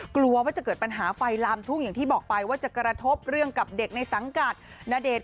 กลัวว่าจะเกิดปัญหาไฟลามทุ่งอย่างที่บอกไปว่าจะกระทบเรื่องกับเด็กในสังกัดณเดชน